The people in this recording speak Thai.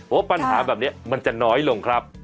ว่าปัญหาแบบนี้มันจะน้อยลงครับ